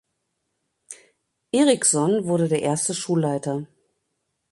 Erickson wurde der erste Schulleiter.